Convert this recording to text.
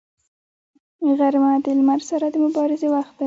غرمه د لمر سره د مبارزې وخت دی